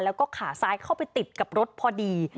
แล้วก็ขาซ้ายเข้าไปติดกับรถพอดี